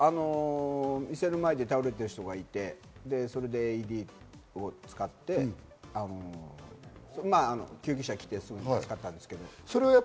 店の前で倒れてる人がいてそれでＡＥＤを使って救急車が来て使ったんですけど。